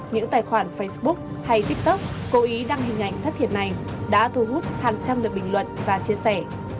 những tài khoản facebook hay tiktok cố ý đăng hình ảnh thất thiệt này đã thu hút hàng trăm lời bình luận và chia sẻ